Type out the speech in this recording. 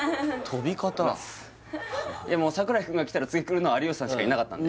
もう櫻井くんが来たら次来るのは有吉さんしかいなかったんで